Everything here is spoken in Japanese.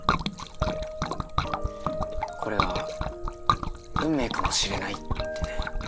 これは運命かもしれないって。